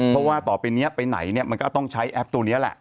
เพราะว่าต่อไปนี้ไปไหนเนี่ยมันก็ต้องใช้แอปตัวนี้แหละ